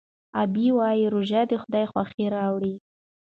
غابي وایي روژه د خدای خوښي راوړي.